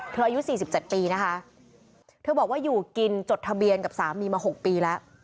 อายุ๔๗ปีนะคะเธอบอกว่าอยู่กินจดทะเบียนกับสามีมา๖ปีแล้ว